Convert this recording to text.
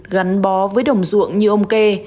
gắn bó với đồng ruộng như ông kê